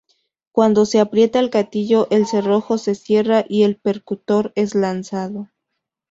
Cuando se aprieta el gatillo, el cerrojo se cierra y el percutor es lanzado.